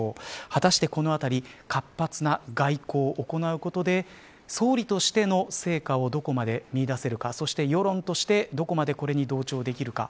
果たしてこの辺り活発な外交を行うことで総理としての成果をどこまで見いだせるかそして世論としてどこまでこれに同調できるか。